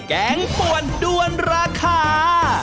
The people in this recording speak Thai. แกงป่วนด้วนราคา